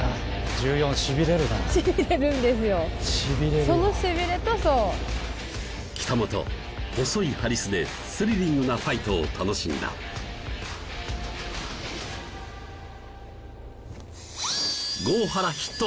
そのしびれとしびれるよ北本細いハリスでスリリングなファイトを楽しんだ郷原ヒット！